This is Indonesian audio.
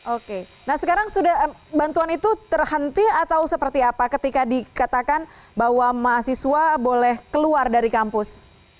oke nah sekarang sudah bantuan itu terhenti atau seperti apa ketika dikatakan bahwa mahasiswa boleh keluar dari kampus